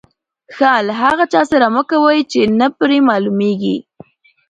ښه له هغه چا سره مه کوئ، چي نه پر معلومېږي.